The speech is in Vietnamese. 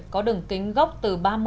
có đường kính góc từ ba mươi đến năm mươi km